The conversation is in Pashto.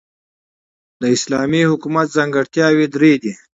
د اسلامی حکومت ځانګړتیاوي درې دي.